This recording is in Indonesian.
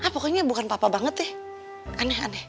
pokoknya bukan papa banget ya aneh aneh